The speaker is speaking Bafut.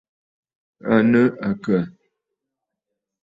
À nɨ̂ àkə̀?